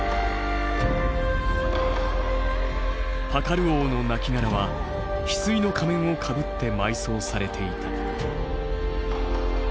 パカル王の亡骸はヒスイの仮面をかぶって埋葬されていた。